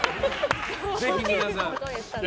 ぜひ皆さん